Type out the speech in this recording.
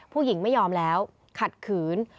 ผู้หญิงไม่ยอมแล้วขัดขืน